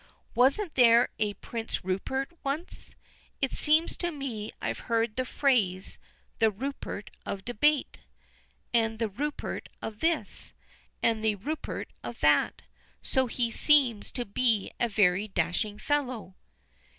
Wasn't there a Prince Rupert once? It seems to me I've heard the phrase 'the Rupert of debate,' and the Rupert of this, and the Rupert of that, so he seems to be a very dashing fellow."